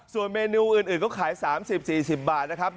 ส่วนเมนูอื่นก็ขาย๓๐๔๐บาทนะครับ